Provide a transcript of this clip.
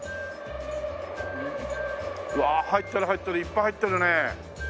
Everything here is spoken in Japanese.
うわあ入ってる入ってるいっぱい入ってるね。